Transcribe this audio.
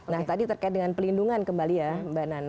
nah tadi terkait dengan pelindungan kembali ya mbak nana